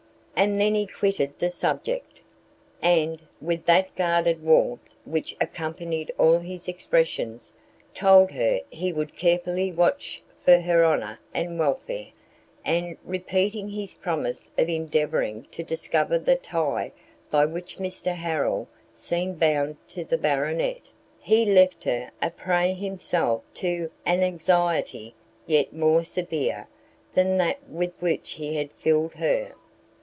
And then he quitted the subject; and, with that guarded warmth which accompanied all his expressions, told her he would carefully watch for her honour and welfare, and, repeating his promise of endeavouring to discover the tie by which Mr Harrel seemed bound to the Baronet, he left her a prey himself to an anxiety yet more severe than that with which he had filled her!